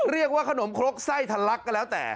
เรียกว่าขนมครกไส้ทะลักก็แล้วแต่